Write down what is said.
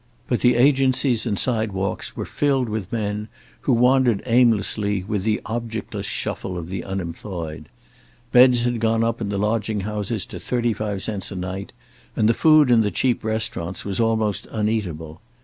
But the agencies and sidewalks were filled with men who wandered aimlessly with the objectless shuffle of the unemployed. Beds had gone up in the lodging houses to thirty five cents a night, and the food in the cheap restaurants was almost uneatable.